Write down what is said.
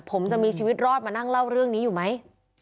ผมจะมีชีวิตรอดมานั่งเล่าเรื่องนี้อยู่ไหม